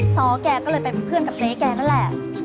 ซ้อแกก็เลยเป็นเพื่อนกับเจ๊แกนั่นแหละ